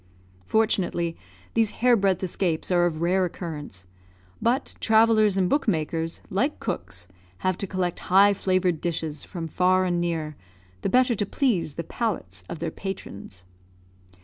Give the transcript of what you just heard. Fortunately, these hair breadth escapes are of rare occurrence; but travellers and book makers, like cooks, have to collect high flavoured dishes, from far and near, the better to please the palates of their patrons.